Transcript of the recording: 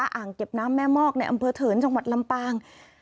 อ่างเก็บน้ำแม่มอกในอำเภอเถินจังหวัดลำปาง